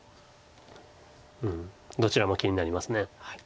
どちらも気になります。